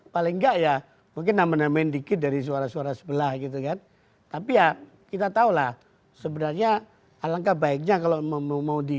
paling enggak ya mungkin nama namaion dikit dari suara suara sebelah gitu kan tapi ya kita tahu lah sebenarnya alangkah baiknya kalau mau dibikin itu bisa ya